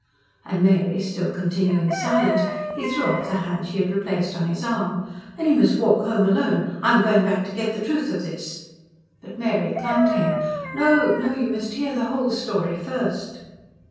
And Mary still continuing silent, he threw off the hand she had replaced on his arm. "Then you must walk home alone. I'm going back to get at the truth of this." But Mary clung to him. "No, no, you must hear the whole story first."